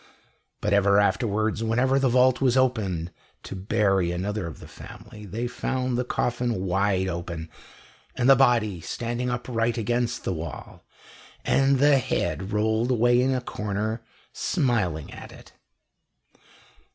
But ever afterwards, whenever the vault was opened to bury another of the family, they found the coffin wide open, and the body standing upright against the wall, and the head rolled away in a corner, smiling at it."